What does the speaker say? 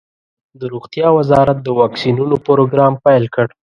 د روغتیا وزارت د واکسینونو پروګرام پیل کړ.